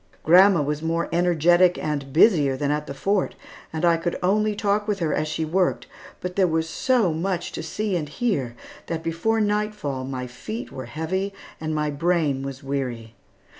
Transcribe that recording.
Grandma was more energetic and busier than at the Fort, and I could only talk with her as she worked, but there was so much to see and hear that before nightfall my feet were heavy and my brain was weary.